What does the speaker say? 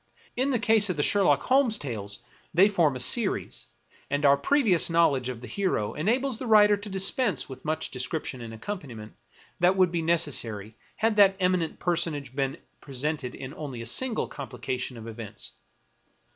In the case of the Sherlock Holmes tales, they form a series, and our pre vious knowledge of the hero enables the writer to dispense with much description and accompaniment that would be necessary had that eminent personage been presented in only a single complication of events.